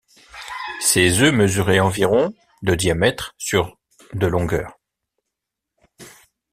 Ses œufs mesuraient environ de diamètre sur de longueur.